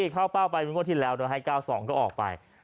เข้าเป้าไปในมือที่แล้วนึกว่าให้๙๒ก็ออกไป